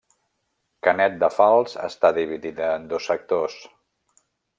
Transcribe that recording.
Canet de Fals està dividida en dos sectors: